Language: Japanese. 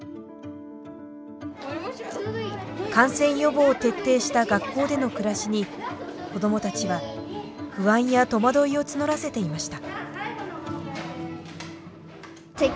感染予防を徹底した学校での暮らしに子どもたちは不安や戸惑いを募らせていました。